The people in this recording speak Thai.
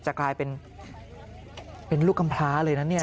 จะกลายเป็นลูกกำพลาเลยนะเนี่ย